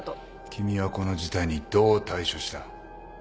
君はこの事態にどう対処した？